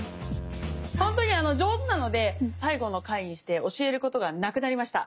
ほんとに上手なので最後の回にして教えることがなくなりました。